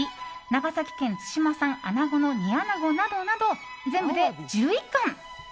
長崎県対馬産アナゴの煮アナゴなど全部で１１貫。